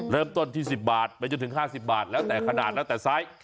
เริ่มต้นที่๑๐บาทไปจนถึง๕๐บาทแล้วแต่ขนาดแล้วแต่ไซส์